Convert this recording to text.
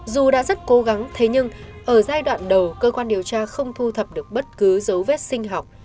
dù đã rất cố gắng thế nhưng ở giai đoạn đầu cơ quan điều tra không thu thập được bất cứ dấu vết sinh học